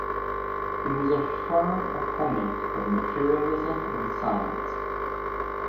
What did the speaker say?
He was a firm opponent of materialism in science.